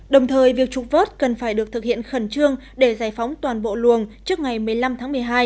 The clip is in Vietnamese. đồng thời việc trục vớt cần phải được thực hiện khẩn trương để giải phóng toàn bộ luồng trước ngày một mươi năm tháng một mươi hai